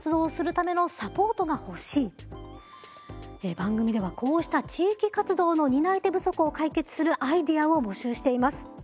番組ではこうした地域活動の担い手不足を解決するアイデアを募集しています。